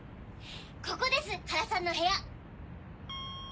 ここです原さんの部屋。